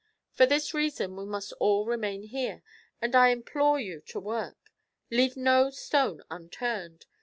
For this reason we must all remain here, and I implore you to work! Leave no stone unturned!